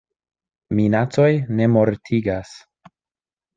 Minacoj ne mortigas.